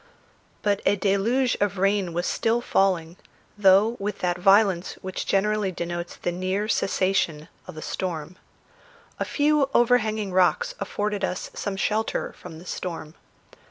But a deluge of rain was still falling, though with that violence which generally denotes the near cessation of a storm. A few overhanging rocks afforded us some shelter from the storm.